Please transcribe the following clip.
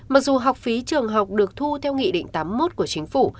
mặc dù học phí trường học được thu theo nghị định tám mươi một của chính phủ